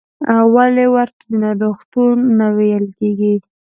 ولې ورته ناروغتون نه ویل کېږي؟